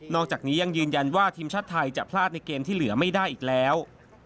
อกจากนี้ยังยืนยันว่าทีมชาติไทยจะพลาดในเกมที่เหลือไม่ได้อีกแล้ว